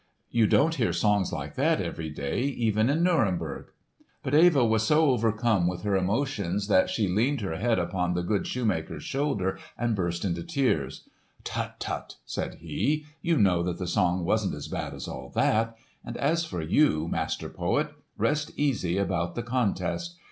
You don't hear songs like that every day, even in Nuremberg!" But Eva was so overcome with her emotions that she leaned her head upon the good shoemaker's shoulder and burst into tears. "Tut, tut!" said he. "You know that the song wasn't as bad as all that! And as for you, master poet, rest easy about the contest!